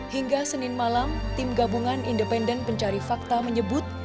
hingga senin malam tim gabungan independen pencari fakta menyebut